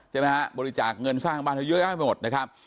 ใช่ไหมฮะบริจาคเงินสร้างบ้านเธอเยอะแยะไปหมดนะครับ